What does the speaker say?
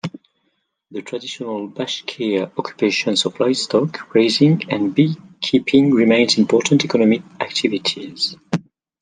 The traditional Bashkir occupations of livestock raising and beekeeping remain important economic activities.